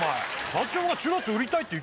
社長がチュロス売りたいって。